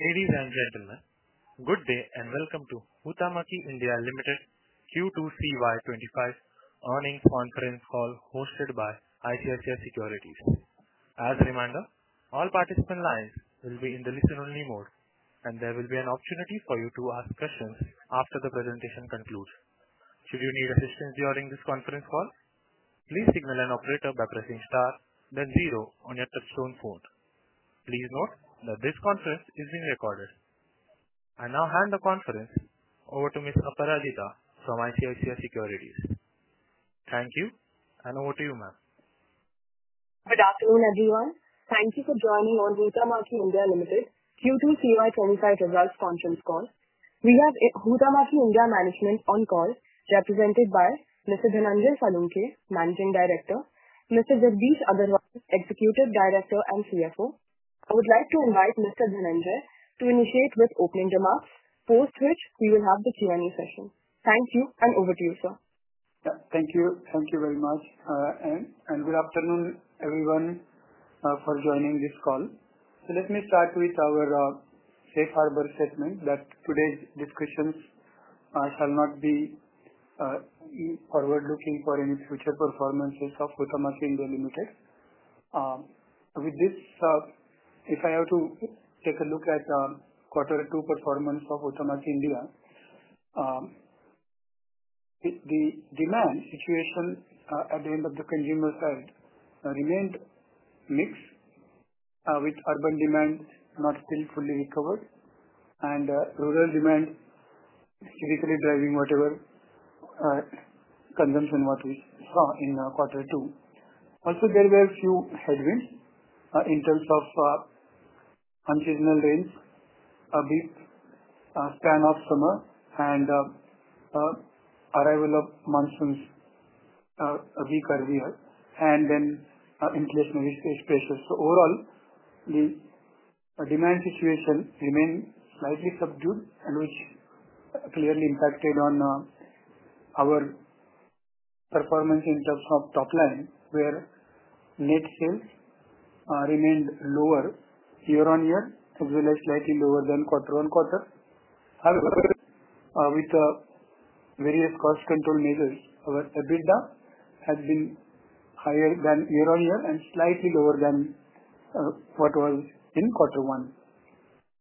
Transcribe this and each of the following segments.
Greetings and welcome to Huhtamäki India Limited's Q2 CY2025 earnings conference call hosted by ICICI Securities. As a reminder, all participant lines will be in the listen-only mode, and there will be an opportunity for you to ask questions after the presentation concludes. Should you need assistance during this conference call, please signal an operator by pressing star then zero on your touch-tone phone. Please note that this conference is being recorded. I now hand the conference over to Ms. Aparajita from ICICI Securities. Thank you, and over to you, ma'am. Good afternoon, everyone. Thank you for joining on Huhtamäki India Limited's Q2 CY2025 results conference call. We Huhtamäki India Limited management on call, represented by Mr. Dhananjay Salunkhe, Managing Director, and Mr. Jagdish Agarwal, Executive Director and CFO. I would like to invite Mr. Dhananjay to initiate with opening remarks, post which he will have the Q&A session. Thank you, and over to you, sir. Thank you. Thank you very much, and good afternoon, everyone, for joining this call. Let me start with our safe harbor statement that today's discussions shall not be forward-looking for any future performances of Huhtamäki India Limited. With this, if I have to take a look at the quarter two performance of Huhtamäki India, the demand situation at the end of the consumer side remained mixed, with urban demand not still fully recovered and rural demand typically driving whatever consumption was in quarter two. There were a few sudden winds, in terms of unseasonal rains, a brief span of summer, and arrival of monsoons a week earlier, and then inflation which takes place. Overall, the demand situation remained slightly subdued, which clearly impacted our performance in terms of top line, where net sales remained lower year on year, as well as slightly lower than quarter on quarter. However, with the various cost control measures, our EBITDA has been higher than year on year and slightly lower than what was in quarter one.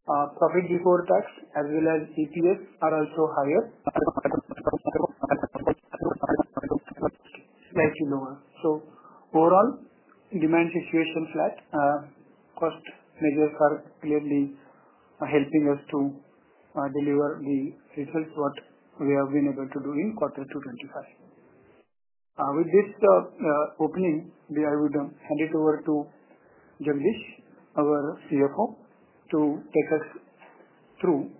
Profit before tax, as well as EPS, are also higher, slightly lower. Overall, demand situation is flat. Cost measures are clearly helping us to deliver the results we have been able to do in quarter two 2025. With this opening, may I hand it over to Jagdish, our CFO, to take us through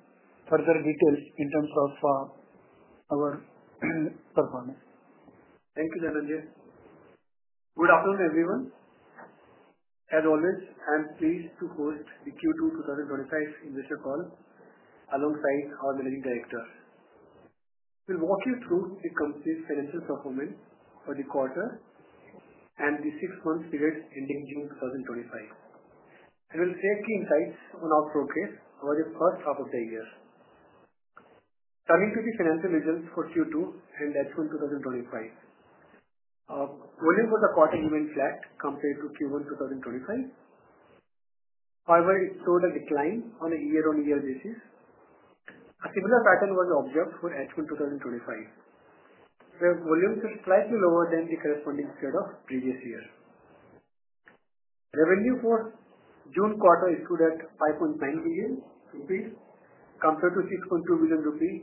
further details in terms of our performance. Thank you, Dhananjay. Good afternoon, everyone. As always, I am pleased to host the Q2 2025 industry call alongside our Managing Director. We'll walk you through the company's financial performance for the quarter and the six months period ending June 2025. We'll share key insights on our progress over the first half of the year. Turning to the financial results for Q2 and H1 2025, our volume for the quarter remained flat compared to Q1 2025. However, it showed a decline on a year-on-year basis. A similar pattern was observed for H1 2025, where volume is slightly lower than its corresponding share of previous year. Revenue for June quarter issued at INR 5.9 billion compared to INR 6.2 billion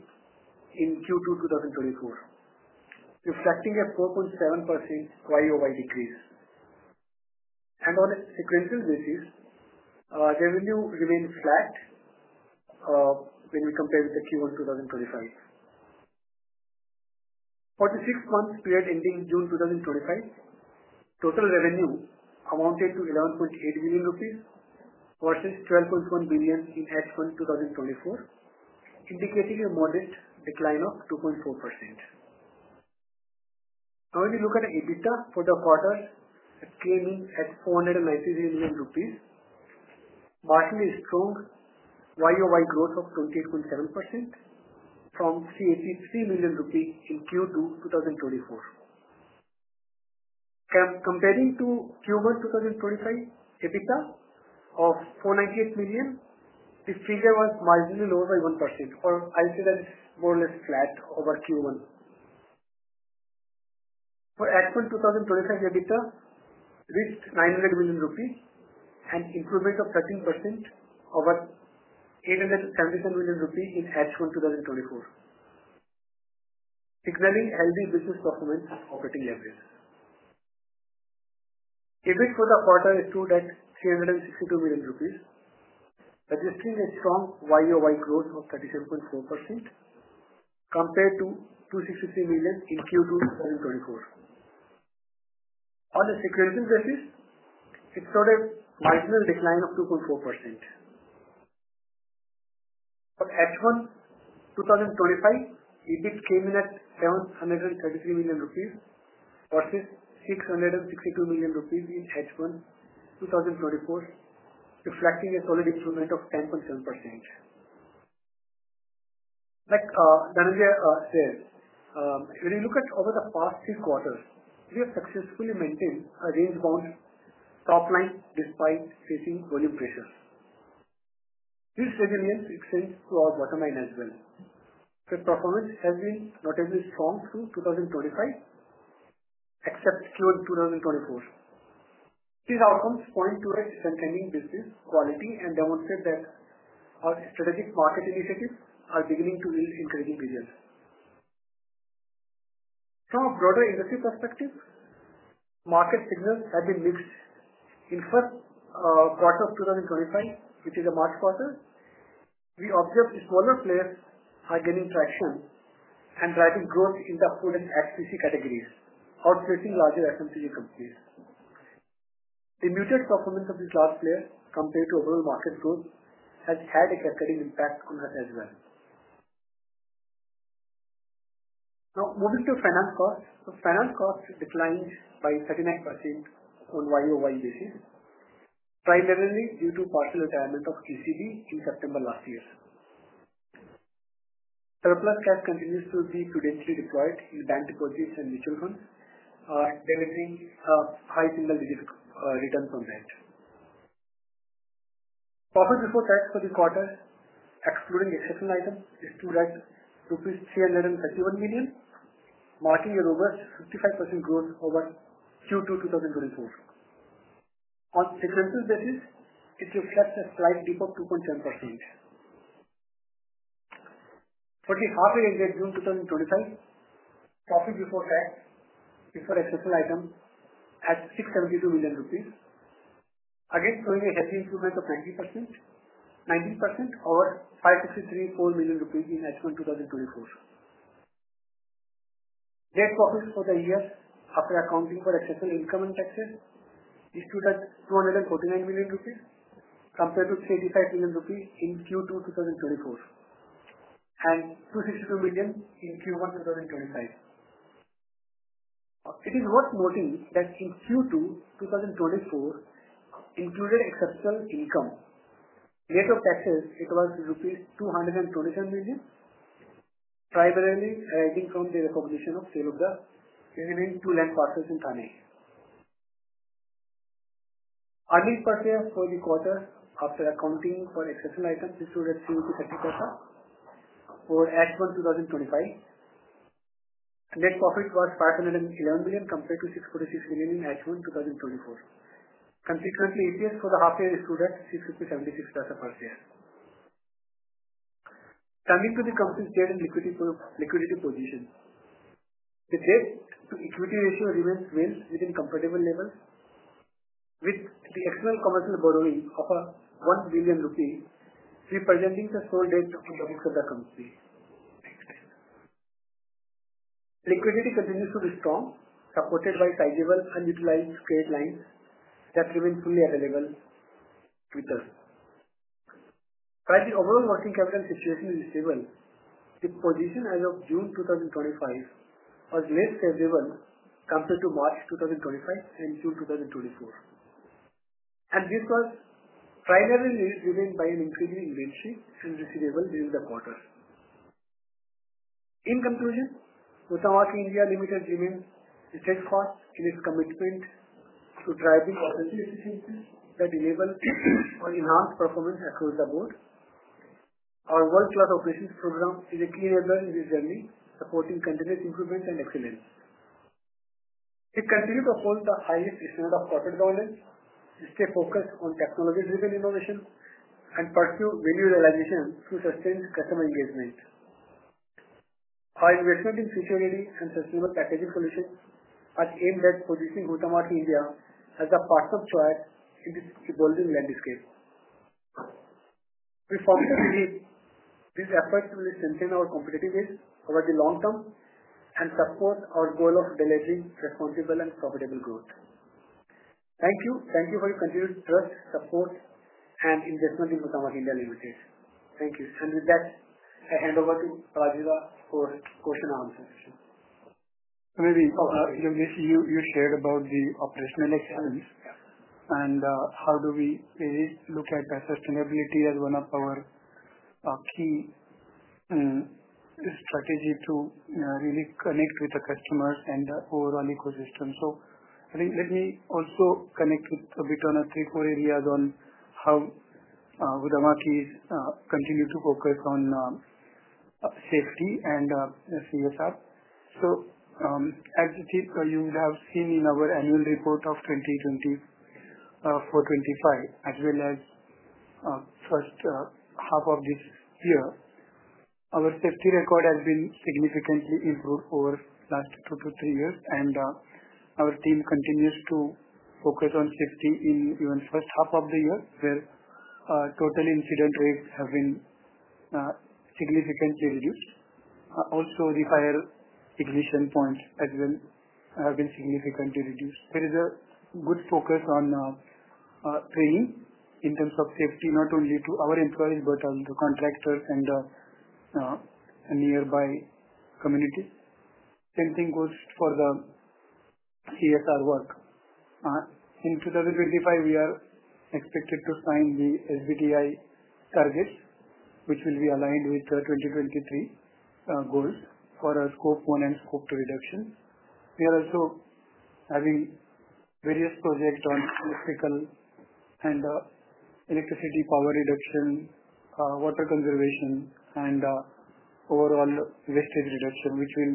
in Q2 2024, reflecting a 4.7% YOY decrease. On a sequential basis, revenue remained flat when we compare with Q1 2025. For the six months period ending June 2025, total revenue amounted to 11.8 billion rupees versus 12.1 billion in H1 2024, indicating a modest decline of 2.4%. Now, when we look at the EBITDA for the quarter, it's remaining at INR 490 million, marking a strong YOY growth of 28.7% from INR 383 million in Q2 2024. Comparing to Q1 2025 EBITDA of 498 million, this figure was marginally lower by 1%, or I'll say that it's more or less flat over Q1. For H1 2025, EBITDA reached INR 900 million and improved by 13% over INR 874 million in H1 2024, signaling healthy business performance and operating levels. EBIT for the quarter issued at 362 million rupees, suggesting a strong YOY growth of 37.4% compared to 263 million in Q2 2024. On a sequential basis, it showed a marginal decline of 2.4%. For H1 2025, EBIT came in at 733 million rupees versus 662 million rupees in H1 2024, reflecting a solid improvement of 10.7%. Like Dhananjay said, when you look at over the past six quarters, we have successfully maintained a range-bound top line despite facing volume pressures. This resilience extends to our bottom line as well. The performance has been notably strong through 2025 except Q1 2024. These outcomes point towards a trending business quality and demonstrate that our strategic market initiatives are beginning to build intrinsic results. From a broader industry perspective, market signals have been mixed. In the first quarter of 2025, which is a March quarter, we observed smaller players gaining traction and driving growth in the food and FTC categories, outpacing larger MNC companies. The muted performance of these large players compared to overall market growth has had a secondary impact on us as well. Now, moving to finance costs, the finance costs declined by 39% on YOY basis, primarily due to partial retirement of GCB in September last year. Surplus funds continue to be prudently deployed in bank deposits and mutual funds, delivering high single-digit returns on that. Profit before tax for the quarter, excluding exception items, is to that of rupees 331 million, marking a robust 55% growth over Q2 2024. On a sequential basis, it reflects a slight dip of 2.7%. For the quarter ending June 2025, profit before tax before exception item at 672 million rupees, again showing a healthy improvement of 19% over INR 563.4 million in H1 2024. Net profits for the year, after accounting for exception income and taxes, is to that of 249 million rupees compared to 35 million rupees in Q2 2024 and 262 million in Q1 2025. It is worth noting that in Q2 2024, included exceptional income, net of taxes, it was rupees 227 million, primarily arising from the recognition of sale of the remaining two land parcels in Thane. Earnings per share for the quarter, after accounting for exception items, is to that of 7.30 for H1 2025. Net profit was 511 million compared to 646 million in H1 2024. Consequently, EPS for the half year is to that of INR 6.76 per share. Coming to the company shares and liquidity position, the shares to equity ratio remains well within comparable levels, with the external commercial borrowing of 1 billion rupees representing the sole debt of the company. Liquidity continues to be strong, supported by tangible and utilized credit lines that remain fully available to us. While the overall working capital situation is stable, the position as of June 2025 was less favorable compared to March 2025 and June 2024. This was primarily driven by an increase in revenue since receivable during the quarter. In conclusion, Huhtamäki India Limited remains a test force in its commitment to driving opportunities that enable us to enhance performance across the board. Our world-class operations program is a key enabler in this journey, supporting candidate improvement and excellence. It continues to hold the highest estimate of quarter's audience, stay focused on technology-driven innovation, and pursue value realization through sustained customer engagement. Our investment in security and sustainable packaging solutions has aimed at positioning Huhtamäki India as a partner to us in this evolving landscape. We found that these efforts will strengthen our competitive edge over the long term and support our goal of delivering responsible and profitable growth. Thank you. Thank you for your continuous trust, support, and investment in Huhtamäki India Limited. Thank you. With that, I hand over to Aparajita for question and answers. I mean, you shared about the operational challenge, and how do we really look at sustainability as one of our key strategies to really connect with the customer and the overall ecosystem? I think let me also connect with a bit on three core areas on how Huhtamäki's continues to focus on safety and CSR. As you see, you have seen in our annual report of 2024-2025, as well as the first half of this year, our safety record has been significantly improved over the last two to three years. Our team continues to focus on safety in the first half of the year, where total incident rates have been significantly reduced. Also, the fire ignition points as well have been significantly reduced. There is a good focus on training in terms of safety, not only to our employees but also to contractors and the nearby communities. The same thing goes for the CSR work. In 2025, we are expected to sign the SBTi targets, which will be aligned with the 2023 goals for our scope 1 and scope 2 reduction. We are also having various projects on electrical and electricity power reduction, water conservation, and overall wastage reduction, which will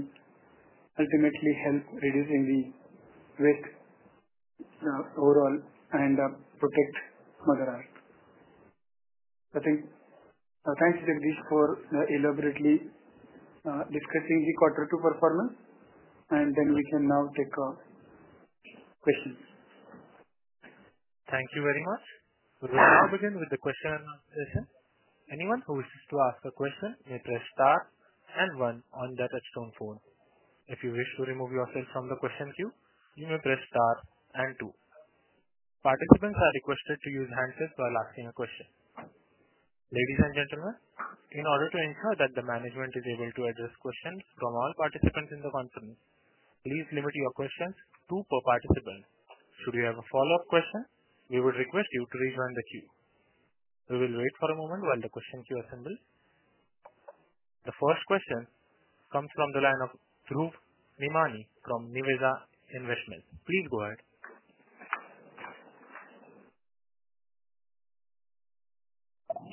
ultimately help reduce the risks overall and protect mother earth. I think thanks to Jagdish for elaborately discussing the quarter two performance. We can now take our questions. Thank you very much. We will now begin with the question and answer session. Anyone who wishes to ask a question may press star and one on their touch-tone phone. If you wish to remove yourself from the question queue, you may press star and two. Participants are requested to use handsets while asking a question. Ladies and gentlemen, in order to ensure that the management is able to address questions from all participants in the conference, please limit your questions to two per participant. Should you have a follow-up question, we would request you to rejoin the queue. We will wait for a moment while the question queue assembles. The first question comes from the line of [Dhruv Nimani] from Niveza Investments. Please go ahead.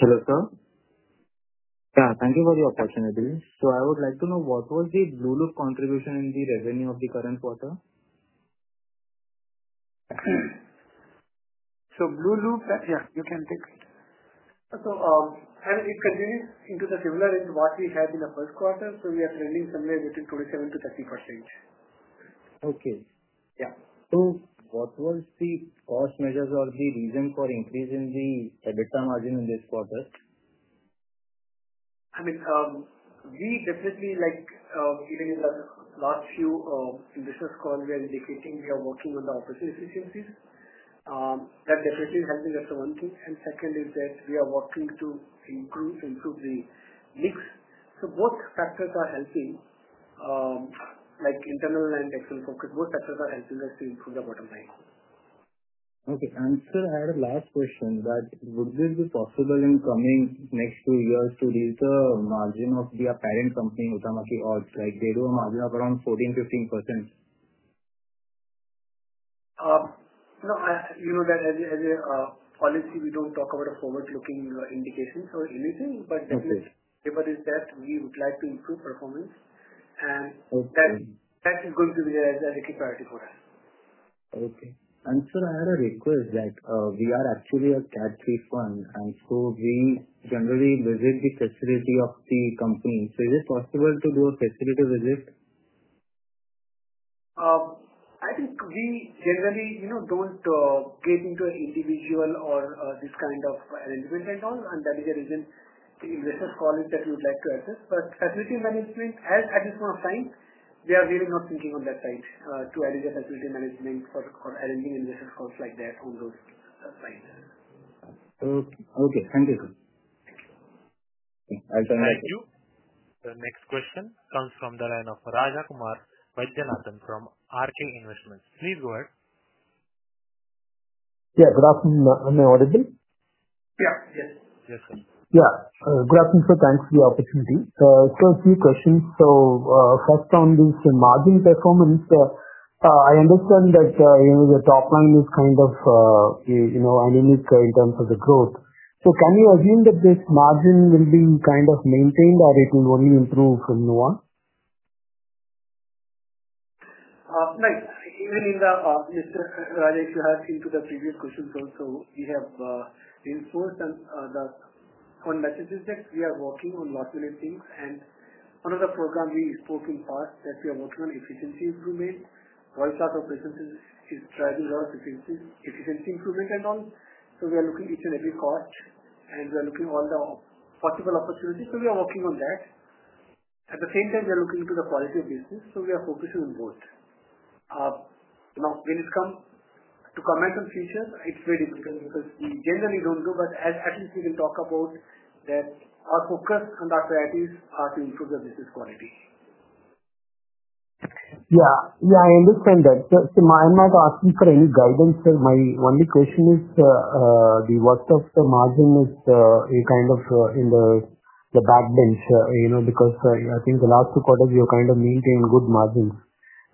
Hello, sir. Thank you for the opportunity. I would like to know what was the Blueloop contribution in the revenue of the current quarter? Blueloop, yeah, you can take it. It continues into the similar range of what we had in the first quarter. We are trading somewhere between 27-30 per share. Okay. Yeah. What was the cost measures or the reason for increasing the EBITDA margin in this quarter? We definitely, during the last few industry calls when we are taking, we are working on the operating efficiencies. That definitely is something that's one thing. Second is that we are working to improve the leads. Both factors are healthy, like internal and external focus. Both factors are helping us to improve the bottom line. Okay. Sir, I had a last question. Would it be possible in the coming next two years to reduce the margin of the parent company, Huhtamäki like they do a margin of around 14%-15%? No. You know that as a policy, we don't talk about forward-looking indications or anything. The thing is that we would like to improve performance, and that is going to be a priority for us. Okay. Sir, I had a request that we are actually a CAC-free fund. We generally visit the facility of the company. Is it possible to do a facility visit? I think we generally don't take into an individual or this kind of arrangement head-on. That is a reason the investment colleagues that we would like to assist. At least in management, as at this point of time, we are really not thinking of that type to arrange a facility management or any investment calls like that on those sites. Okay. Thank you, sir. Thank you. The next question comes from the line of Rajakumar Vaidyanathan from RK Investments. Please go ahead. Yeah, good afternoon. Am I audible? Yeah. Yes. Yes, sir. Yeah. Good afternoon, sir. Thanks for the opportunity. A few questions. First, on this margin performance, I understand that the top line is kind of anemic in terms of the growth. Can you assume that this margin will be kind of maintained or it will only improve from now on? Even in the metrics, Raja, if you have seen to the previous questions, we have enforced on the metrics that we are working on lots of things. Another program we spoke in part that we are working on efficiency improvement. Voice of our preferences is driving our efficiency improvement head-on. We are looking at each and every cost, and we are looking at all the possible opportunities. We are working on that. At the same time, we are looking into the quality of business. We are focusing on both. Now, when it comes to comment on future, it's very difficult because we generally don't do that. At least we can talk about that our focus on that varieties to improve the business quality. Yeah, I understand that. May I ask you for any guidance? My only question is what if the margin is kind of in the backbench, you know, because I think the last two quarters you're kind of meeting good margins.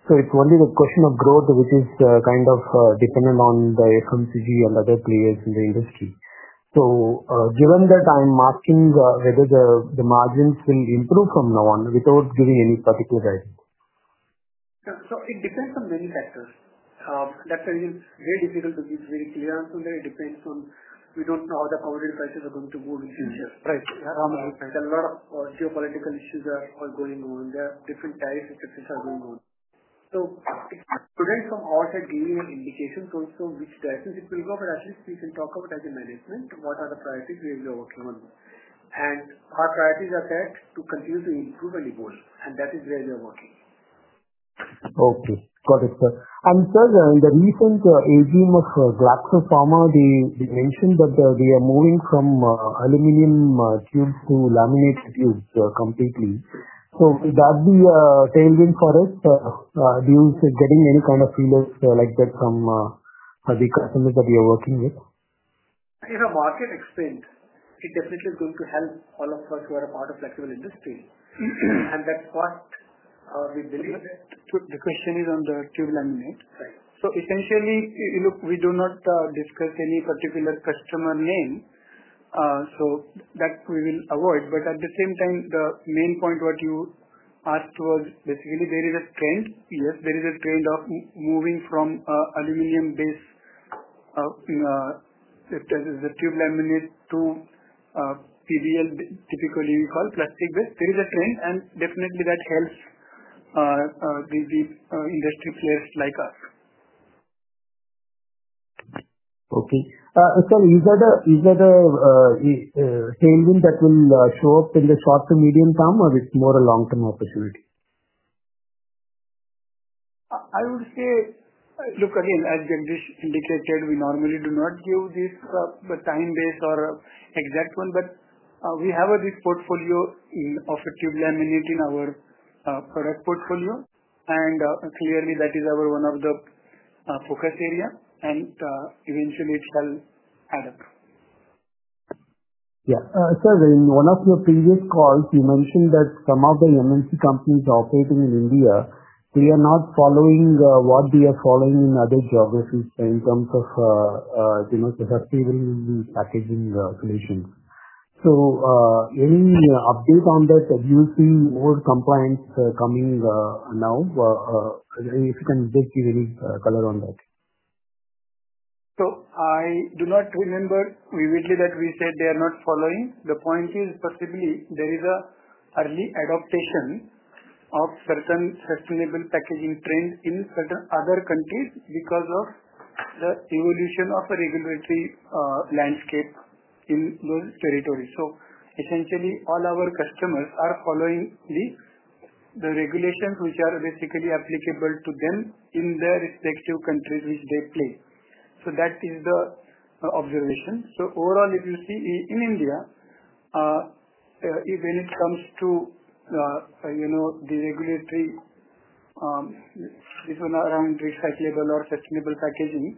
It's only the question of growth, which is kind of dependent on the FMCG and other players in the industry. Given that, I'm asking whether the margins will improve from now on without giving any particular guidance. Yeah. It depends on many factors. That's really very difficult to give a very clear answer on that. It depends on we don't know how the commodity prices are going to move, right? There are a lot of geopolitical issues that are going on. There are different types of sectors that are going on. It's great from all that, giving an indication also which directions it will go. As you speak and talk about it as a management, what are the priorities we are working on? Our priorities are set to continue to improve and evolve. That is where we are working. Okay. Got it, sir. The recent AGM of GlaxoSmithKline Pharmaceuticals they mentioned that they are moving from aluminum to laminate tubes completely. Would that be a tailwind for it? Are you getting any kind of feelers like that from the customers that you are working with? If a market expands, it definitely is going to help all of us who are a part of the flexible packaging industry. That's what we believe. The question is on the tubes and the laminate. Essentially, look, we do not discuss any particular customer name, so that we will avoid. At the same time, the main point you asked was basically there is a trend. Yes, there is a trend of moving from aluminum to laminate tubes, typically we call plastic base. There is a trend, and definitely that helps with the industry players like us. Okay. Sir, is that a tailwind that will show up in the short-term, medium term, or is it more a long-term opportunity? I would say, look, as Jagdish indicated, we normally do not use this time-based or exact one, but we have this portfolio of a tube laminate in our product portfolio. Clearly, that is one of the focus areas and eventually, it shall add up. Yeah. Sir, in one of your previous calls, you mentioned that some of the MNC companies operating in India, they are not following what they are following in other geographies in terms of, you know, the sustainable packaging solutions. Any update on that? Have you seen more compliance coming now? If you can take a little color on that. I do not remember vividly that we said they are not following. The point is possibly there is an early adaptation of certain sustainable packaging trends in certain other countries because of the evolution of the regulatory landscape in those territories. Essentially, all our customers are following these, the regulations which are basically applicable to them in their respective countries which they play. That is the observation. Overall, if you see in India, even when it comes to the regulatory, this one around recyclable or sustainable packaging,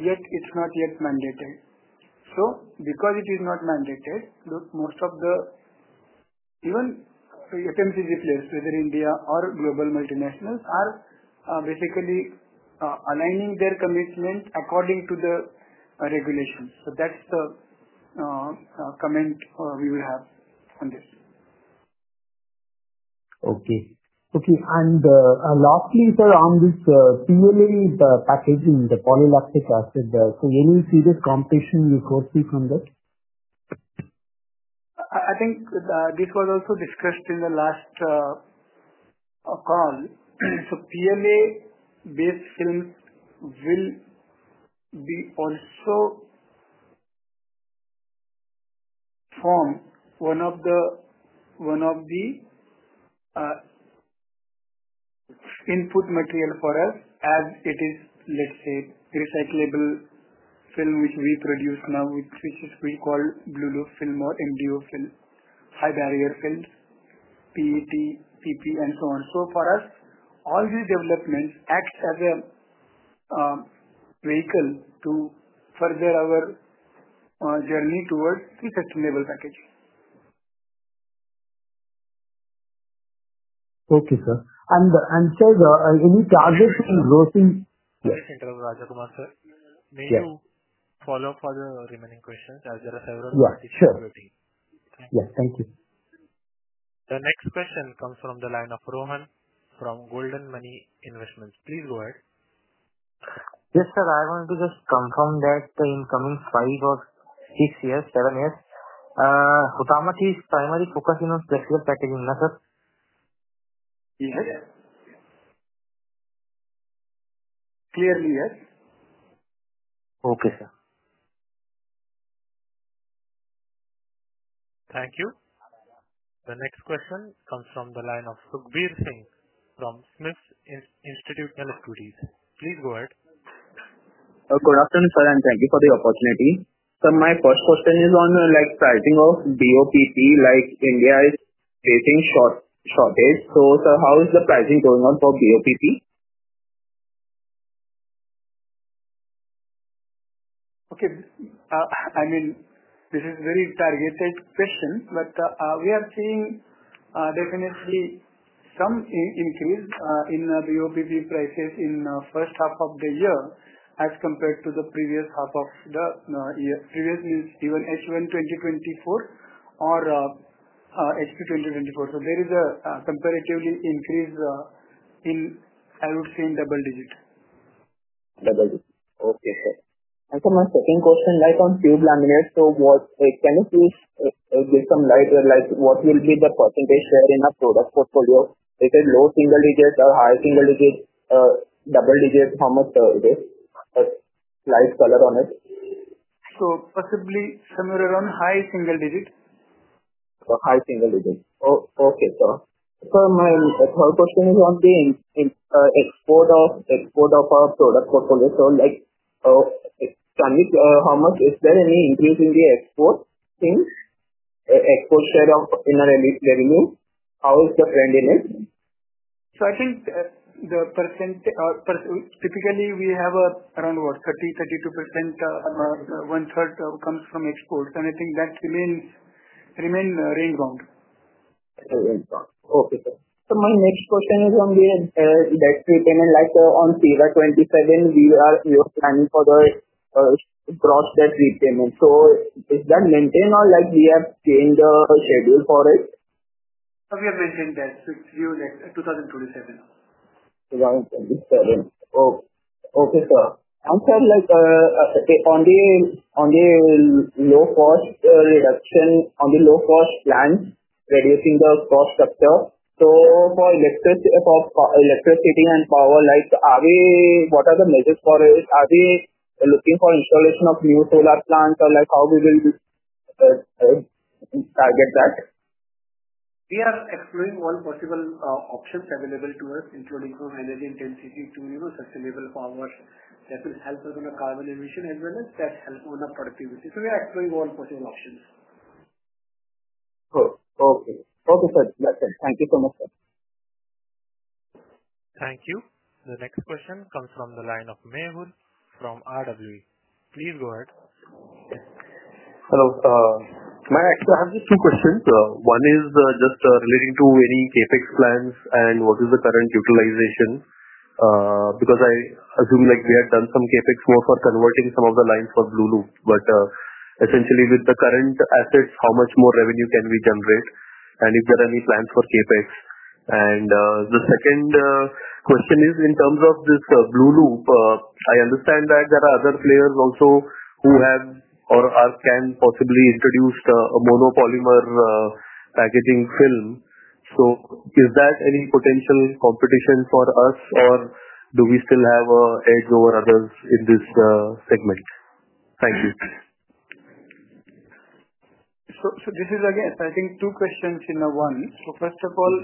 yet it's not yet mandated. Because it is not mandated, most of the even FMCG players, whether India or global multinationals, are basically aligning their commitment according to the regulations. That's the comment we will have on this. Okay. Okay. Lastly, sir, on this tubing packaging, the Polylactic Acid, when you see this competition, you could pick on that? I think this was also discussed in the last call. PLA-based films will also form one of the input materials for us as it is, let's say, recyclable film which we produce now, which we call Blueloop film or MDO film, high-barrier films, PET, PP, and so on. For us, all these developments act as a vehicle to further our journey towards sustainable packaging. Thank you, sir. Sir, are you targeting growth in? Sorry to interrupt, Rajakumar, sir. May you follow up for the remaining questions? There are several more people waiting. Sure, yes, thank you. The next question comes from the line of Rohan from Golden Money Investments. Please go ahead. Yes, sir. I wanted to just confirm that in the coming five or six years, seven years, Huhtamäki is primarily focusing on flexible packaging solutions, sir? Yes, clearly yes. Okay, sir. Thank you. The next question comes from the line of Sukhbir Singh from SMIFS Institutional Equities. Please go ahead. Good afternoon, sir, and thank you for the opportunity. Sir, my first question is on the pricing of BOPP. India is facing shortage. Sir, how is the pricing going on for BOPP? Okay. I mean, this is a very targeted question, but we are seeing definitely some increase in BOPP prices in the first half of the year as compared to the previous half of the year, previous means even H1 2024 or H2 2024. There is a comparative increase in, I would say, in double digits. Okay, sir. For my second question, on tube laminates, can you please give some light? What will be the percentage share in our product portfolio? Is it low single digit, high single digit, double digit? How much is it? A nice color on it. Possibly somewhere around high single digit. High single digit. Okay, sir. My third question is on the export of our product portfolio. Like, is there any increase in the export things? Export share in our revenue. How is the readiness? I think the percentage, typically, we have around 30%, 32%. 1/3 comes from export. I think that remains range bound. Okay, sir. My next question is on the debt repayment. On CY2027, we are planning for the gross debt repayment. Is that maintained, or have we changed the schedule for it? We have mentioned that fixed view, like 2027. Around 2027. Okay, sir. Sir, like a second on the low-cost reaction, on the low-cost plans, reducing the cost structure. For electricity and power, like are we, what are the metrics for it? Are we looking for installation of new solar plants or like how will we target that? We are exploring all possible options available to us, including from energy intensity to sustainable farmers that will help with the carbon emission as well as that help on the productivity. We are exploring all possible options. Okay. Okay, sir. Got it. Thank you so much, sir. Thank you. The next question comes from the line of Mehul from RWE. Please go ahead. Hello. May I ask you a few questions? One is just relating to varying CapEx plans and what is the current utilization? I assume we have done some CapEx work for converting some of the lines for Blueloop. With the current assets, how much more revenue can we generate? Are there any plans for CapEx? The second question is in terms of this Blueloop. I understand that there are other players also who have or can possibly introduce a mono-material packaging film. Is that any potential competition for us, or do we still have edge over others in this segment? Thank you. I think two questions in one. First of all,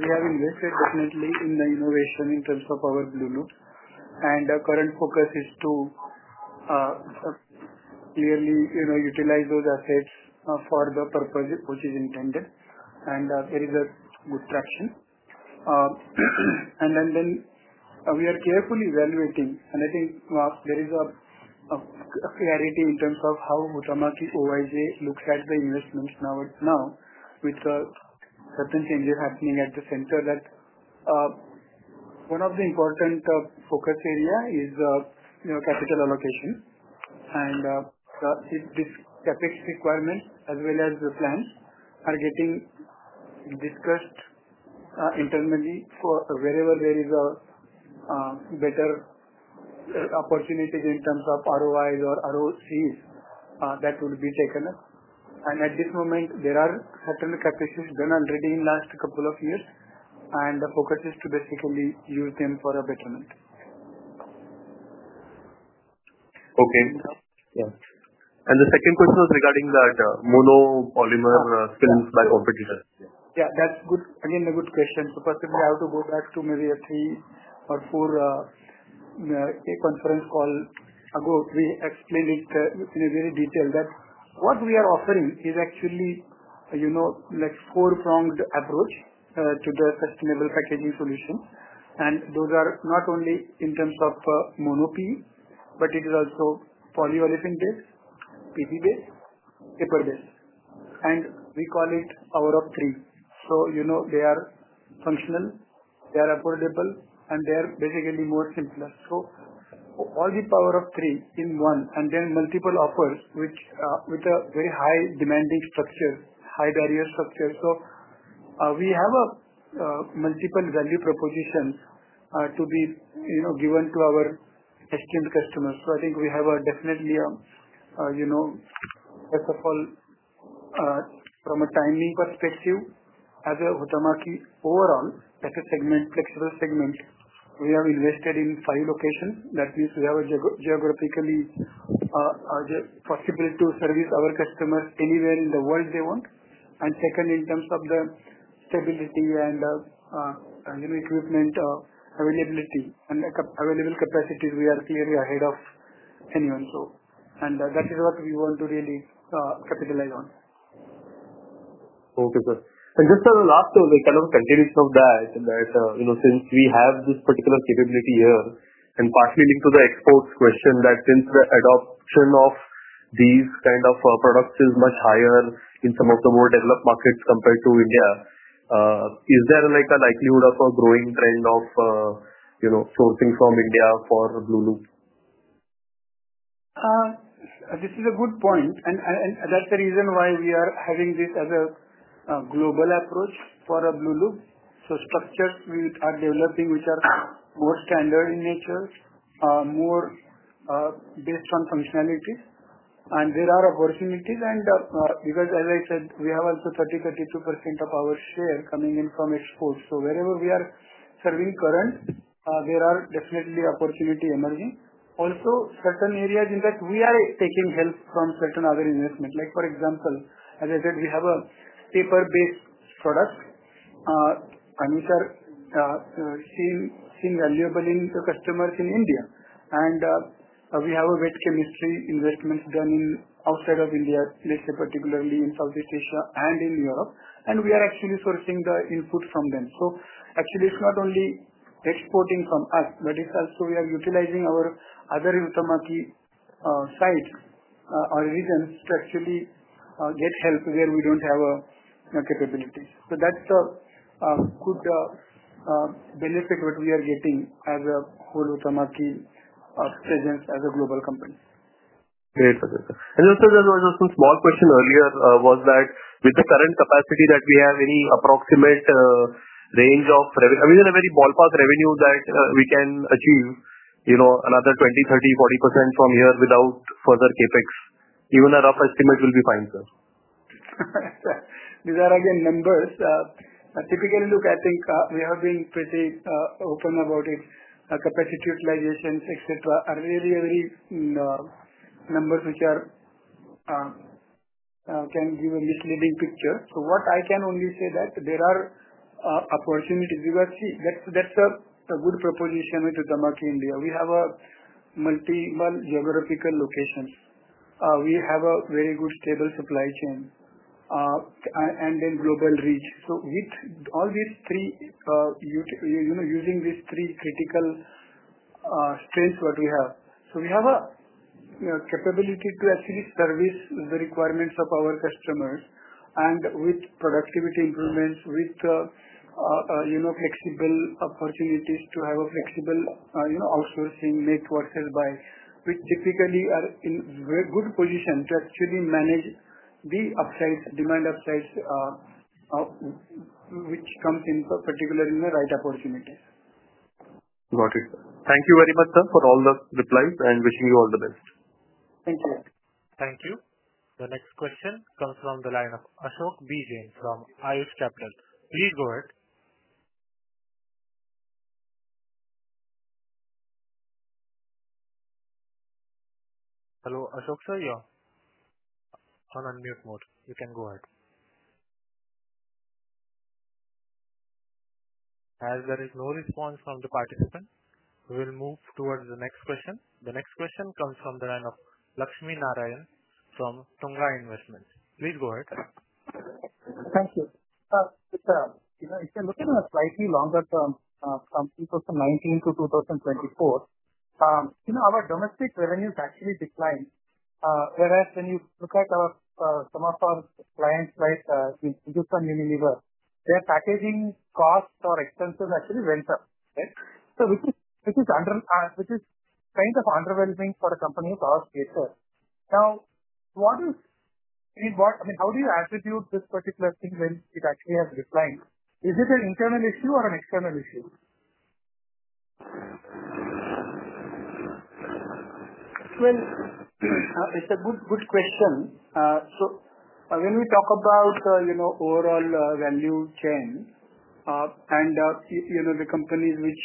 we have invested definitely in the innovation in terms of our Blue Loop. Our current focus is to clearly utilize those assets for the purpose which is intended. There is a good practice, and we are carefully evaluating. I think there is a clarity in terms of how Huhtamäki looks at the investments now, with certain changes happening at the center. One of the important focus areas is capital allocations. This capital expenditure requirement, as well as the plans, are getting discussed internally for wherever there is a better opportunity in terms of ROIs or ROCs that would be taken up. At this moment, there are certain capital expenditures done already in the last couple of years, and the focus is to basically use them for a betterment. Okay. The second question is regarding that monopolymer films by competitors. Yeah, that's good. Again, a good question. Possibly, I have to go back to maybe three or four conference calls ago, explaining in very detail that what we are offering is actually, you know, like a four-pronged approach to the sustainable packaging solution. Those are not only in terms of mono-material, but it is also polyolefin-based, PP-based, paper-based. We call it Power of Three. They are functional, they are affordable, and they are basically more simple. All the Power of Three in one, and then multiple offers with a very high demanding structure, high-barrier structure. We have multiple value propositions to be given to our customers. I think we have definitely, first of all, from a timing perspective, as Huhtamäki India Limited overall, as a flexible segment, we have invested in five locations. That means we have a geographical possibility to service our customers anywhere in the world they want. Second, in terms of the stability and the, you know, recruitment availability and available capacities, we are clearly ahead of anyone. That is what we want to really capitalize on. Okay, sir. Just on the last, kind of continues from that, since we have this particular capability here and partially linked to the exports question, since the adoption of these kind of products is much higher in some of the more developed markets compared to India, is there a likelihood of a growing trend of sourcing from India for Blueloop? This is a good point. That is the reason why we are having this as a global approach for Blueloop. Structures we are developing are more standard in nature, more based on functionalities, and there are opportunities. As I said, we have also 30%-32% of our share coming in from exports. Wherever we are serving current, there are definitely opportunities emerging. Also, certain areas in that we are taking help from certain other investments. For example, as I said, we have a paper-based product, and these are seen as valuable in the customers in India. We have wet chemistry investments done outside of India, particularly in Southeast Asia and in Europe, and we are actually sourcing the input from them. Actually, it's not only exporting from us, but we are also utilizing our other Huhtamäki sites or regions to get help where we don't have capabilities. That is the good benefit that we are getting as a whole Huhtamäki presence as a global company. Great, okay, sir. Hello, sir. There was a small question earlier. Was that with the current capacity that we have, any approximate range of revenue? I mean, there are very ballpark revenue that we can achieve, you know, another 20%, 30%, 40% from here without further CapEx. Even a rough estimate will be fine, sir. These are, again, numbers. Typically, look, I think we have been pretty open about it. Capacity of valuations, etc., are really a very number which can give a misleading picture. What I can only say is that there are opportunities. You will see that's a good proposition with Huhtamäki India. We have multiple geographical locations. We have a very good, stable supply chain, and global reach. With all these three, using these three critical strengths that we have, we have a capability to actually service the requirements of our customers. With productivity improvements, with the flexible opportunities to have a flexible outsourcing network sales by, which typically are in very good positions to actually manage the demand upsides, which comes in particular in the right opportunities. Got it. Thank you very much, sir, for all the replies. Wishing you all the best. Thank you. Thank you. The next question comes from the line of Ashok B Jain from Ayush Capital. Please go ahead. Hello, Ashok, sir. You're on unmute mode. You can go ahead. As there is no response from the participant, we will move towards the next question. The next question comes from the line of Lakshmi Narayan from Tunga Investments. Please go ahead. Thank you. If you're looking at a slightly longer term, from 2019 to 2024, our domestic revenues actually declined. Whereas when you look at some of our clients' price in, for example, Unilever, their packaging costs or expenses actually went up, which is kind of underwhelming for a company of our nature. How do you attribute this particular thing when it actually has declined? Is it an internal issue or an external issue? It's a good question. When we talk about overall value chain and the companies which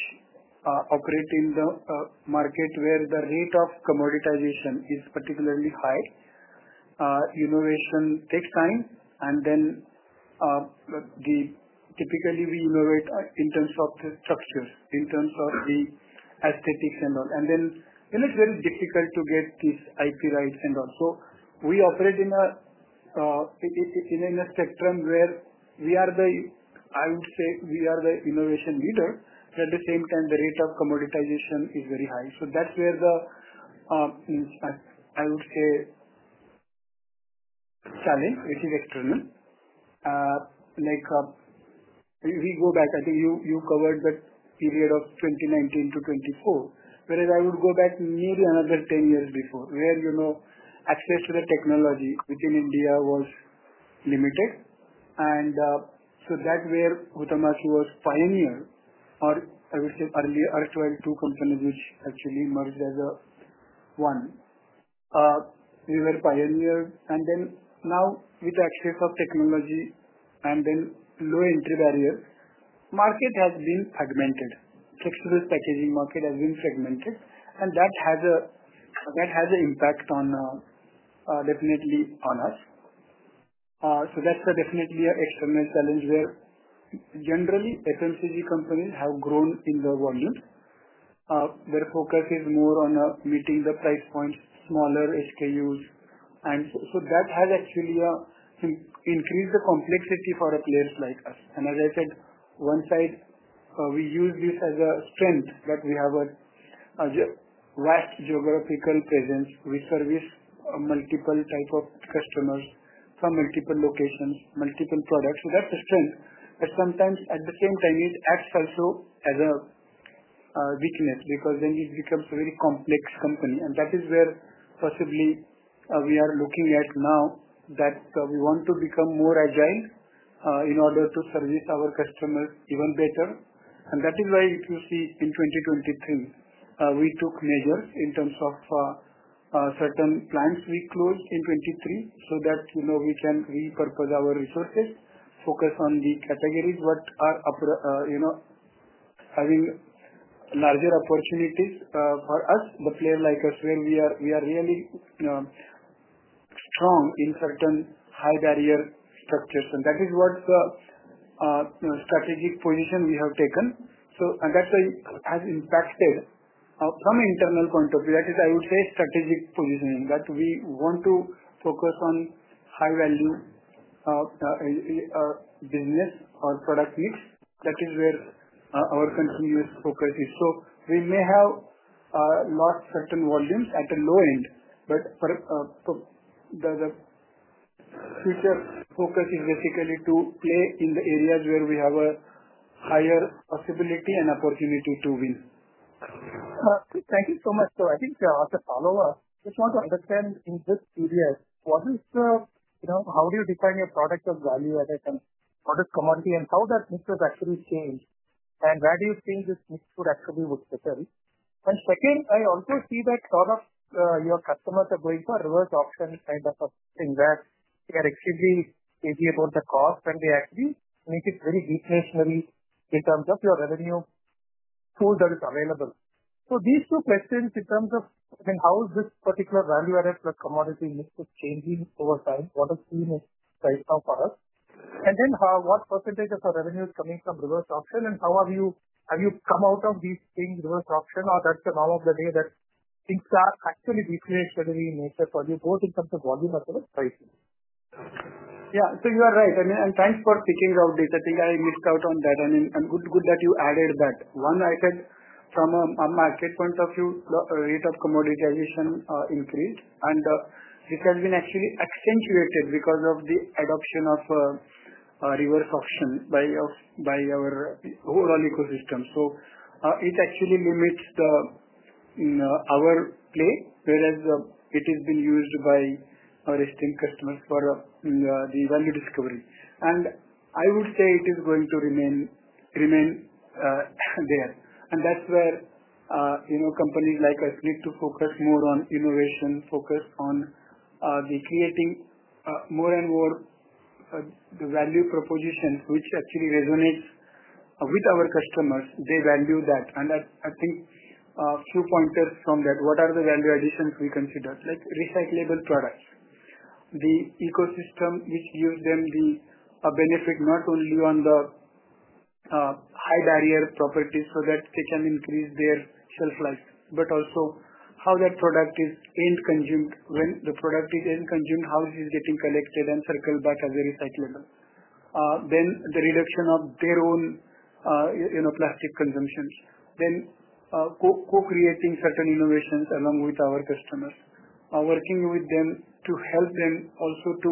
operate in the market where the rate of commoditization is particularly high, innovation takes time. Typically, we innovate in terms of substance, in terms of the aesthetics and all. It's very difficult to get these IP rights and all. We operate in a spectrum where we are the, I would say, we are the innovation leader. At the same time, the rate of commoditization is very high. That's where the, I would say, challenge, which is external. If you go back, I think you covered the period of 2019 to 2024, whereas I would go back nearly another 10 years before, where access to the technology within India was limited. That's where Huhtamäki was pioneer, or I would say, early, or so two companies which actually emerged as a one. We were pioneers. Now, with the access of technology and then low entry barrier, markets have been fragmented. Flexible packaging market has been fragmented. That has an impact, definitely, on us. That's definitely an external challenge where generally FMCG companies have grown in the volume. Their focus is more on meeting the price points, smaller SKUs. That has actually increased the complexity for a client like us. As I said, one side, we use this as a strength that we have a vast geographical presence. We service multiple types of customers from multiple locations, multiple products. That's a strength. Sometimes, at the same time, it acts also as a weakness because then it becomes a very complex company. That is where possibly we are looking at now that we want to become more agile in order to service our customers even better. That is why if you see in 2023, we took measure in terms of certain plants we closed in 2023 so that we can repurpose our resources, focus on the categories which are having larger opportunities for us. Clearly, like I said, we are really strong in certain high-barrier structures. That is what the strategic position we have taken. That has impacted from an internal point of view. That is, I would say, strategic positioning that we want to focus on high-value business or product niche. That is where our continuous focus is. We may have lost certain volumes at the low end. The future focus is basically to play in the areas where we have a higher possibility and opportunity to win. Thank you so much. I think the follow-up, I just want to understand in this period, what is the, you know, how do you define your product of value as a commodity and how that mix has actually changed? Where do you think this mix would actually work better? I also see that a lot of your customers are going for a reverse auction kind of a thing where they are extremely busy about the cost and they actually make it very deflationary in terms of your revenue tools that are available. These two questions in terms of how is this particular value-added for commodity mix changing over time? What has been a trend of our products? What percentage of our revenue is coming from reverse auction? How have you come out of these things, reverse auction, or that's the norm of the day that things are actually deflationary in nature for you both in terms of volume as well as pricing? Yeah. You are right. Thanks for picking it out later. I missed out on that. Good that you added that. One, I think from a market point of view, the rate of commoditization increased. It has been actually accentuated because of the adoption of a reverse auction by our overall ecosystem. It actually limits our play, whereas it has been used by our esteemed customers for the value discovery. I would say it is going to remain there. That's where companies like us need to focus more on innovation, focus on creating more and more value propositions, which actually resonates with our customers. They value that. I think two pointers from that. What are the value additions we consider? Like recyclable products. The ecosystem which uses them, the benefit not only on the high-barrier properties so that they can increase their shelf life, but also how that product is end-consumed. When the product is end-consumed, how it is getting collected and circled back to the recyclable. Then the reduction of their own plastic consumption. Co-creating certain innovations along with our customers. Working with them to help them also to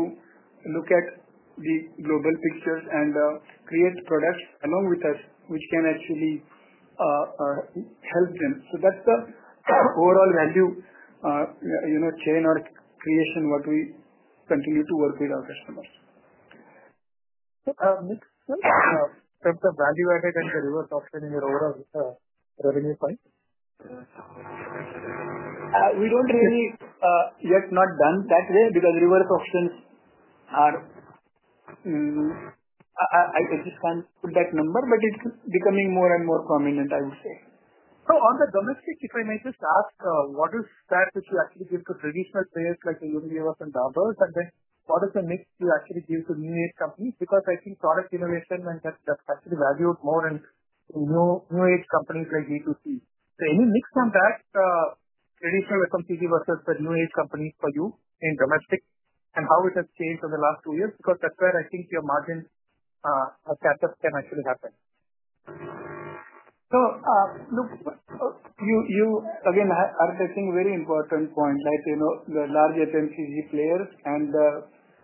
look at the global pictures and create products along with us, which can actually help them. That's the overall value chain or creation what we continue to work with our customers. Okay, next question. That's the value-added and the reverse auction in your overall revenue point? We don't really, not done that way because reverse auctions are, I just can't put that number, but it's becoming more and more prominent, I would say. On the domestic, if I may just ask, what is that which you actually give to traditional players like Unilever and Dabur? What is the mix you actually give to new-age companies? I think product innovation and just actually value more in new-age companies like D2C. Any mix on that, traditional S&P versus the new-age companies for you in domestic and how it has changed in the last two years? That's where I think your margin of catch-up can actually happen. You are touching a very important point, like the large S&P players and the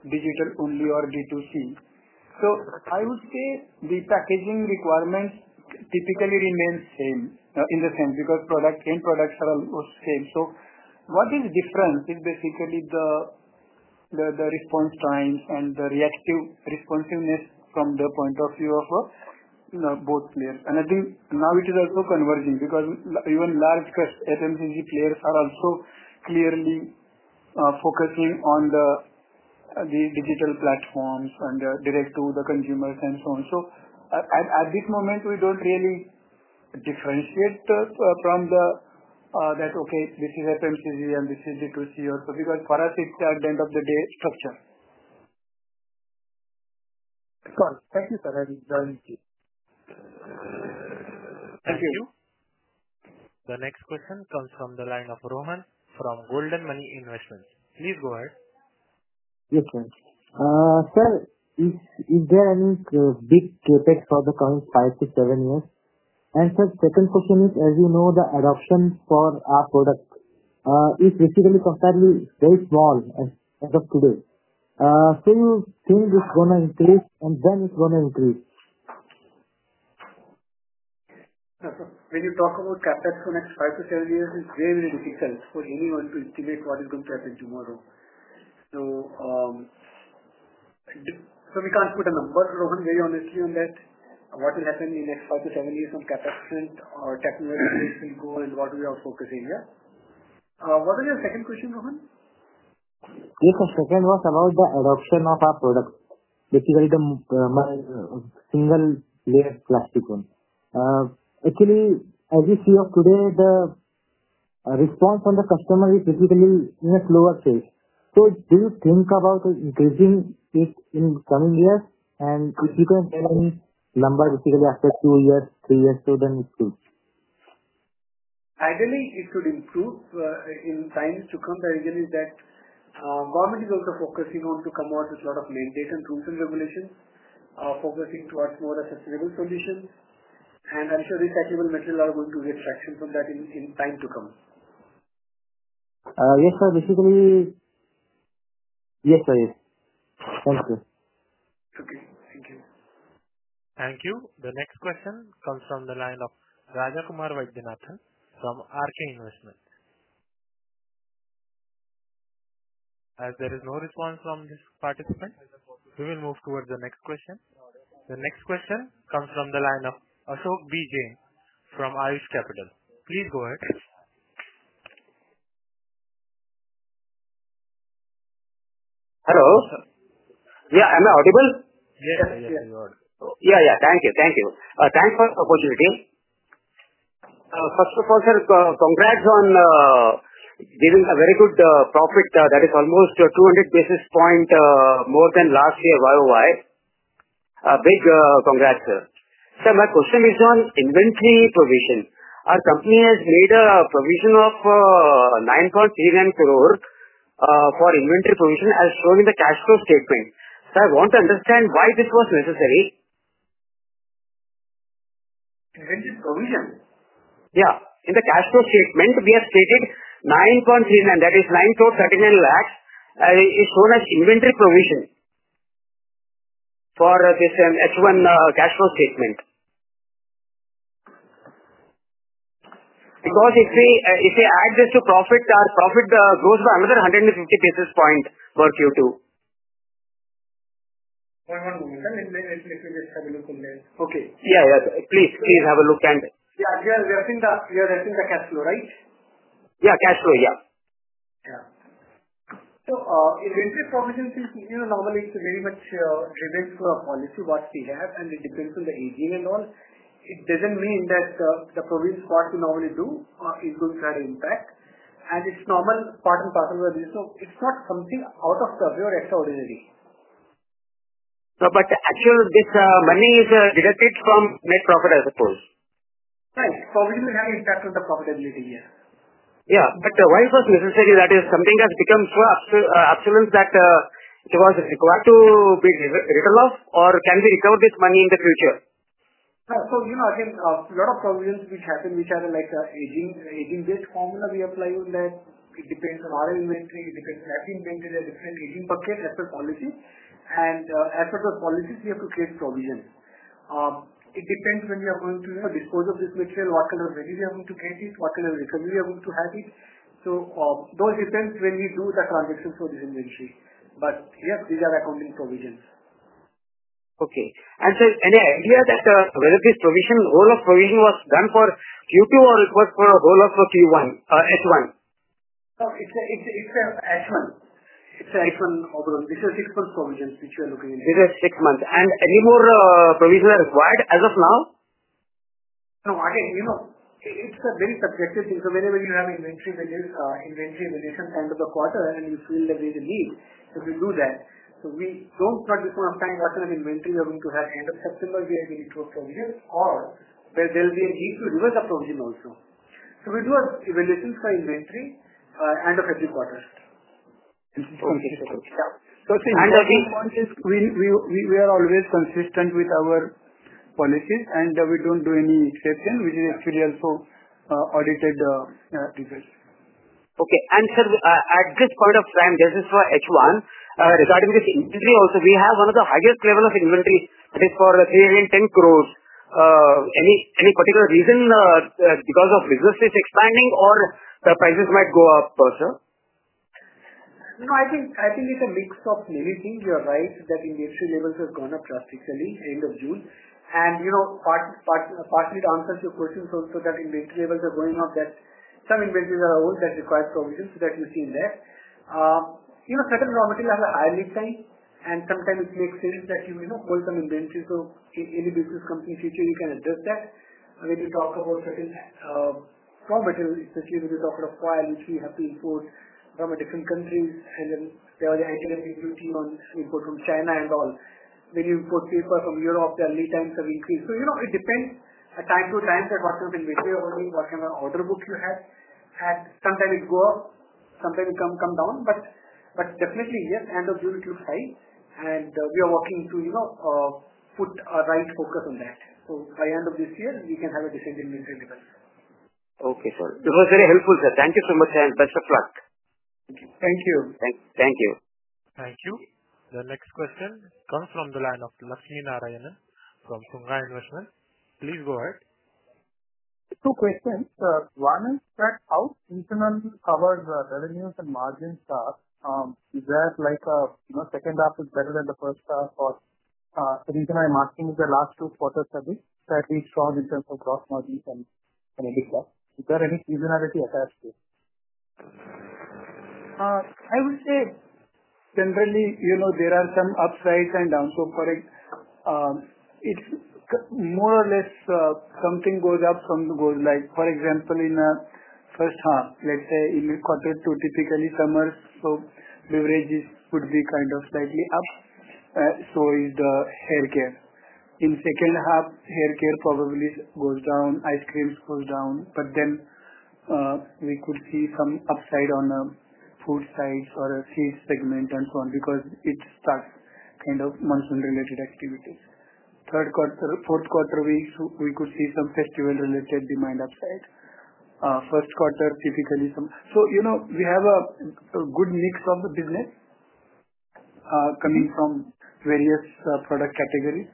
digital only or D2C. I would say the packaging requirements typically remain the same in the sense because product and products are almost the same. What is different is basically the response time and the reactive responsiveness from the point of view of both players. I think now it is also converging because even large S&P players are also clearly focusing on the digital platforms and the direct to the consumers and so on. At this moment, we don't really differentiate from that, okay, this is FMCG and this is D2C also. For us, it's at the end of the day structure. Got it. Thank you, sir. I'll join the queue. Continue. The next question comes from the line of Rohan from Golden Money Investments. Please go ahead. Yes, sir. Sir, is there any big CapEx for the coming five to seven years? The second question is, as you know, the adoption for our product is basically comparatively very small as of today. Do you think it's going to increase and then it's going to increase? When you talk about CapEx for the next five to seven years, it's very, very difficult for anyone to estimate what is going to happen tomorrow. We can't put a number, Rohan, very honestly, on that. What will happen in the next five to seven years from CapEx point or checking out if we're seeing growth and what we are focusing here? What was your second question, Rohan? Yes, the second was about the adoption of our product, which is the single-layer plastic one. Actually, as you see today, the response from the customer is basically in a slower phase. Do you think about increasing this in the coming years? If you can see numbers basically after two years, three years, it's good. I believe it could improve. In time to come, the reason is that government is also focusing to come out with a lot of limitation rules and regulations, focusing towards more sustainable solutions. I'm sure recyclable materials are going to get traction from that in time to come. Yes, sir. Basically, yes, fine. Thank you. Thank you. The next question comes from the line of Rajakumar Vaidyanathan from RK Investments. As there is no response from this participant, we will move towards the next question. The next question comes from the line of Ashok B Jain from Ayush Capital. Please go ahead. Hello. Yeah, am I audible? Yes, yes, you are. Thank you. Thank you. Thanks for the opportunity. First of all, sir, congrats on getting a very good profit. That is almost 200 basis points more than last year's ROI. Big congrats, sir. Sir, my question is on inventory provision. Our company has made a provision of 9.39 crore for inventory provision as shown in the cash flow statement. I want to understand why this was necessary. Inventory provision? Yeah. In the cash flow statement, we have stated 9.39 crores, and that is 9 crore 39 lakhs is shown as inventory provision for this H1 cash flow statement. Because if they add this to profit, our profit grows by another 150 basis points for Q2. One moment. Let me just have a look there. Okay, please have a look at it. Yeah, you're asking the cash flow, right? Yeah, cash flow, yeah. Yeah. Inventory provisions, you know, normally it's very much related to what we have, and it depends on the aging and all. It doesn't mean that the provisions, quite what we normally do, is going to have an impact. It's a normal part and parcel of this. It's not something out of the order or extraordinary. Actually, this money is deducted from net profit, I suppose. Right. We will have an impact on the profitability, yes. Yeah, why it was necessary, that is something that has become so absolute that it was required to be written off, or can be recovered with money in the future? A lot of provisions happen, which are like aging dates, formula we apply on that. It depends on our inventory. It depends on the inventory. There's a different aging package as per policy, and as per those policies, you have to create provisions. It depends when you are going to dispose of this material, what kind of value you are going to create, what kind of recovery you are going to have. Those items, when we do the transaction for this inventory, these are accounting provisions. Okay. Sir, any idea whether this provision roll-up provision was done for Q2 or it was for a roll-up for Q1 or H1? It's an H1. This is a six-month provision which we are looking into. This is six months. Any more provisions required as of now? No, I mean, you know, it's a very successful thing. Whenever you have inventory evaluations end of the quarter, and we feel that there is a need to do that, we don't probably compile another inventory that we need to have end of September. We either do a provision or there will be a need to do a provision also. We do evaluations for inventory end of every quarter. The main point is we are always consistent with our policies, and we don't do any exception, which is actually also audited. Okay. Sir, at this point of time, just for H1, regarding this inventory also, we have one of the highest levels of inventory. That is for a period in 310 crore. Any particular reason that because of businesses expanding or the prices might go up, sir? No, I think it's a mix of many things. You're right that inventory levels have gone up drastically end of June. Partly to answer your questions also, that inventory levels are going up. Yes, some inventories are old that require provisions, so that you see in there. Certain raw materials are highly selling, and sometimes it makes sense that you hold some inventories so in any business company in the future you can address that. When you talk about certain raw materials, especially when you talk about coal, you see happening for raw material companies, and then there are the items including import from China and all. When you import from Europe, there are lead times that we see. It depends. Time to time, certain cost of inventory will be what kind of order book you have. Sometimes it goes up. Sometimes it comes down. Definitely, yes, end of June, it looks high. We are working to put a right focus on that. By the end of this year, we can have a decent inventory level. Okay, sir. It was very helpful, sir. Thank you so much, and best of luck. Thank you. Thank you. Thank you. The next question comes from the line of Lakshmi Narayan from Tunga Investments. Please go ahead. Two questions. One is that how seasonal our revenues and margins are? Is there like a second half is better than the first half? The reason I'm asking is the last two quarters have been pretty strong in terms of gross margins and energy costs. Is there any seasonality attached to it? I would say generally, you know, there are some upsides and downfalls. It's more or less something goes up, something goes down. For example, in the first half, let's say in corporate too, typically summers, so beverages would be kind of slightly up. So is the hair care. In the second half, hair care probably goes down. Ice creams go down. We could see some upside on food sites or a seeds segment and so on because it starts kind of monsoon-related activities. Third quarter, fourth quarter, we could see some festival-related demand upside. First quarter, typically some. You know, you have a good mix of the business coming from various product categories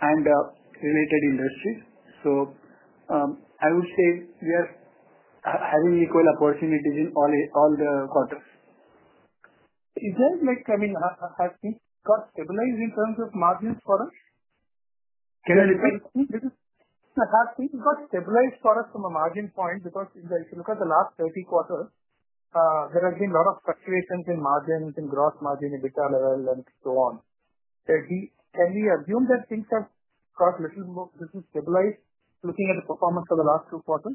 and related industries. I would say we are having equal opportunities in all the quarters. Is there like, I mean, has things got stabilized in terms of margins for us? Can you repeat? Have things got stabilized for us from a margin point? Because if you look at the last 30 quarters, there has been a lot of fluctuations in margins, in gross margin, EBITDA level, and so on. Can we assume that things have got a little more stabilized looking at the performance of the last two quarters?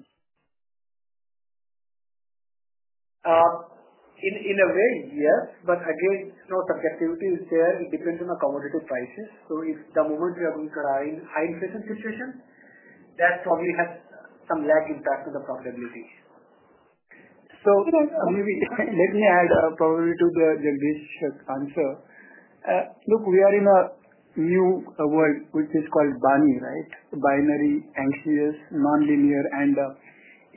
In a way, yes. Again, it's not objectivity is there. It depends on the commodity prices. The moment we are going for a high inflation situation, that probably has some lag impact on the profitability. Maybe let me add probably to Jagdish's answer. Look, we are in a new world, which is called BANI, right? Binary, anxious, nonlinear, and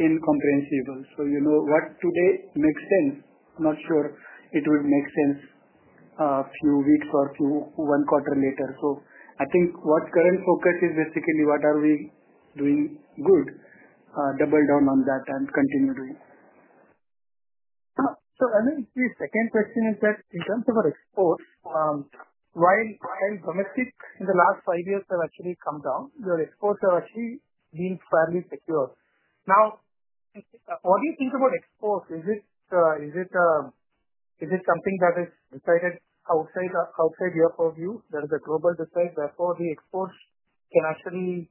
incomprehensible. You know what today makes sense. I'm not sure it will make sense a few weeks or a few one quarter later. I think what current focus is basically what are we doing good, double down on that and continue doing. I'm going to give you a second question. In terms of our exports, while domestic in the last five years have actually come down, your exports have actually been fairly secure. What do you think about exports? Is it something that is decided outside your purview, that is a global decide? Therefore, the exports can actually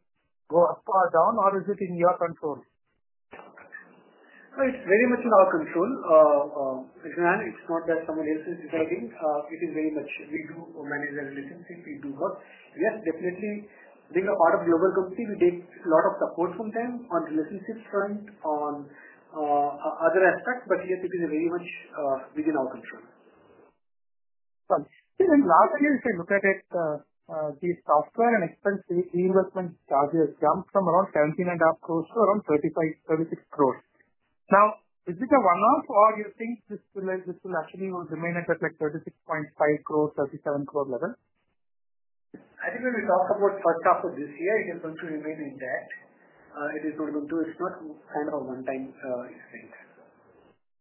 go up or down, or is it in your control? It's very much in our control. Rohan, it's not the common relationship we are having. We do manage the relationships. We do both. Yes, definitely. Being a part of global companies, we take a lot of support from them on relationships side, on other aspects. We are taking it very much within our control. Got it. Last year, if I look at it, the software and expense reinvestment charges jumped from around 17.5 crore to around 35 crore, 36 crore. Is it a one-off, or do you think this will actually remain at that 36.5 crore, 37 crore level? I think when we talk about the first half of this year, it is going to remain in that. It's not kind of a one-time thing.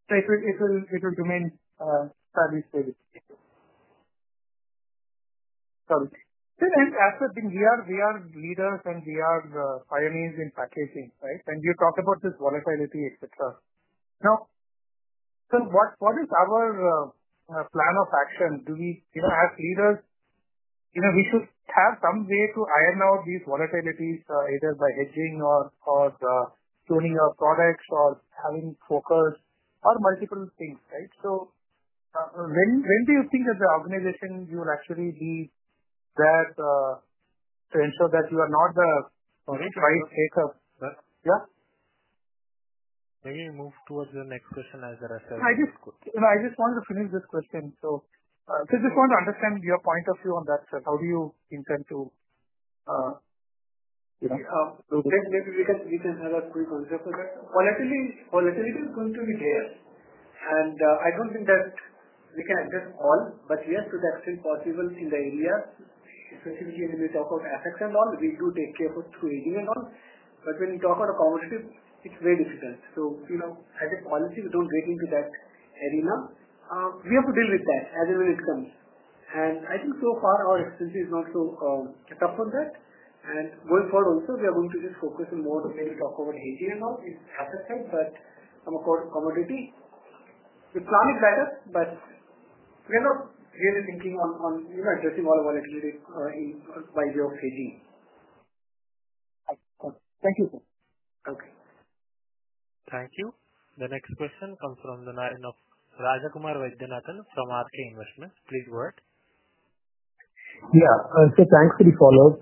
It will remain fairly stable. As for things, we are leaders and we are the pioneers in packaging, right? You talk about this volatility, etc. What is our plan of action? Do we, you know, as leaders, you know, we should have some way to iron out these volatilities, either by hedging or tuning our products or having focus on multiple things, right? When do you think as an organization you will actually be that trend so that you are not the. Maybe move towards your next question as there are several. I just wanted to finish this question. I just want to understand your point of view on that, sir. How do you intend to? Maybe we can give you a quick answer to that. Volatility is going to be there. I don't think that we can address all. Yes, it is still possible in the area, especially when we talk about CapEx and all. We do take care of QA and all. When you talk about a commodity, it's very difficult. As a policy, we don't break into that arena. We have to deal with that as and when it comes. I think so far, our expansion is not to catch up on that. Going forward also, we are going to just focus on more of the things we talk about. hedging and all is after time. I'm a commodity. We plan it back up, but we're not really thinking on addressing all volatility by way of hedging. Got it. Thank you both. Okay. Thank you. The next question comes from the line of Rajakumar Vaidyanathan from RK Investments. Please go ahead. Yeah. Sir, thanks for the follow-up.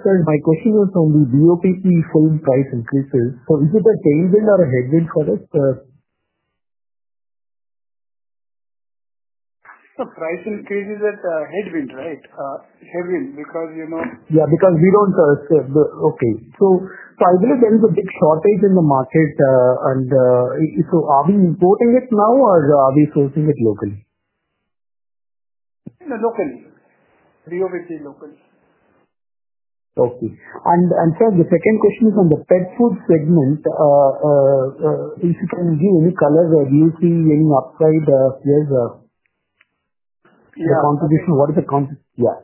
Sir, my question was on the BOPP film price increases. Is it a tailwind or a headwind for us? Price increases is a headwind, right? Headwind because, you know. Yeah, because we don't sell. Okay. I believe there is a big shortage in the market. Are we importing it now or are we sourcing it locally? We are working locally. Okay. Sir, the second question is on the pet food segment. If you can give any colors, do you see any upside? There's a competition. What is the competition? Yeah.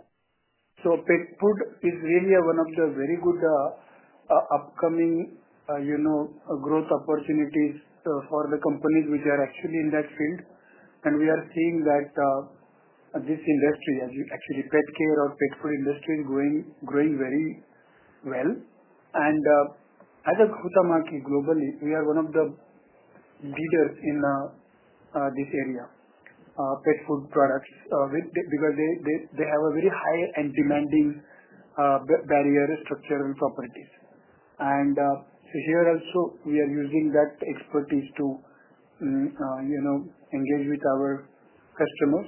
Pet food is really one of the very good upcoming growth opportunities for the companies which are actually in that field. We are seeing that this industry, as you actually pet care or pet food industry, is growing very well. As Huhtamäki globally, we are one of the leaders in this area, pet food products, because they have very high and demanding barrier structural properties. Here also, we are using that expertise to engage with our customers.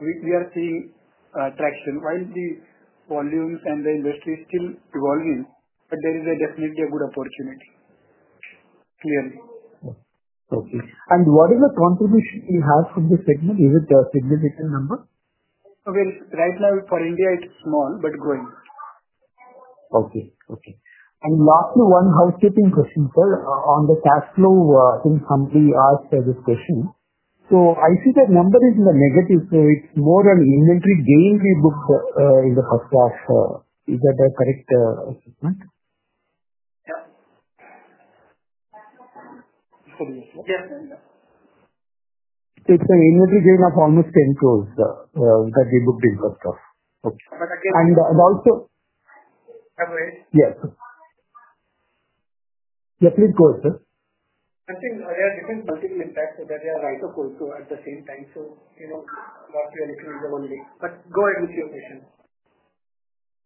We are seeing packs and oil volumes and the industry is still evolving. There is definitely a good opportunity, clearly. What is the confidence you have from the segment? Is it a significant number? For India, it's small but growing. Okay. Okay. Lastly, one housekeeping question, sir, on the cash flow since somebody asked this question. I see that number is in the negative. It's more on inventory gain we booked in the first half. Is that the correct assessment? It's an inventory gain of almost 10 crore that we booked in the first half. Yeah, please go ahead, sir. I'm saying there are different motives in the stack so that we are right or false at the same time. Last year, which is the only. Go ahead with your question.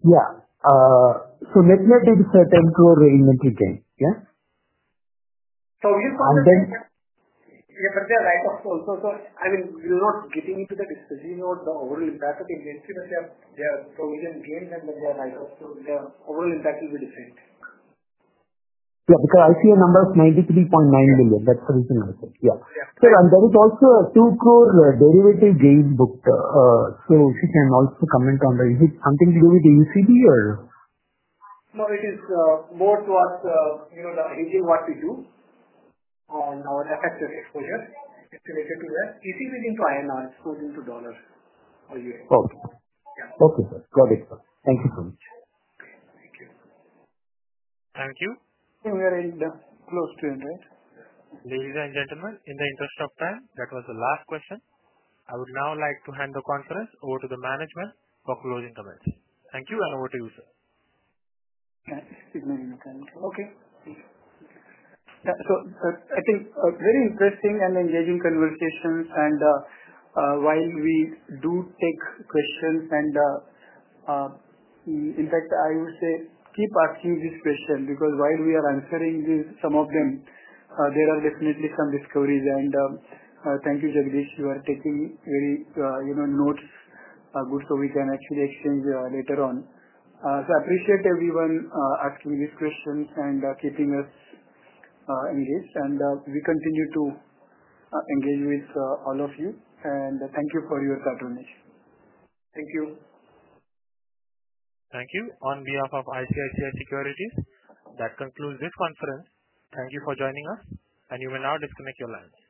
Yeah, did a certain crore inventory gain, yeah? We just found that we're right or false. I mean, we're not getting into the discussion of the overall impact of inventory because we have provision gains and then we're right or false. The overall impact will be the same. Yeah, because I see a number of 93.9 million. That's the reason, I think. Yeah. Yeah. Sir, and there is also a 2 crore derivative gain booked. If you can also comment on that. Is it something to do with the ECB or? No, it is more towards the hedging what we do on our FX exposure. Estimated to us. ECB is into INR, excluding to dollars or U.S. dollars. Okay. Got it. Thank you so much. Thank you. Thank you. I think we are close to the end. Ladies and gentlemen, in the interest of time, that was the last question. I would now like to hand the conference over to the management for closing comments. Thank you. Over to you, sir. Okay. Yeah. I think a very interesting and engaging conversation. While we do take questions, I would say keep asking these questions because while we are answering these, some of them, there are definitely some discoveries. Thank you, Jagdish. You are taking very, you know, notes good so we can actually exchange later on. I appreciate everyone asking these questions and keeping us engaged. We continue to engage with all of you. Thank you for your cooperation. Thank you. Thank you. On behalf of ICICI Securities, that concludes this conference. Thank you for joining us. You will now disconnect your lines. Thank you.